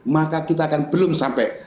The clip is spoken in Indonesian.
maka kita akan belum sampai